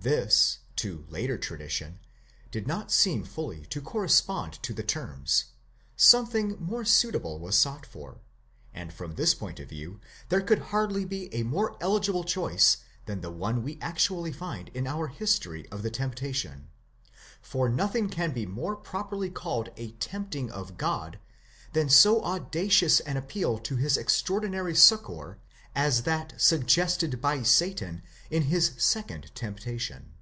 This, to later tradition, did not seem fully to correspond to the terms ; something more suitable was sought for, and from this point of view there could hardly be a more eligible choice than the one we actually find in our history of the temptation, for nothing can be more properly called a tempting of God than so audacious an appeal to his extraordinary succour, as that suggested by Satan in his second temptation.